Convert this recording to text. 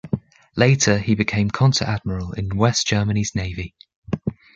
Later, he became a Konteradmiral in West Germany's navy.